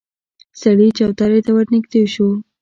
سړی چوترې ته ورنږدې شو.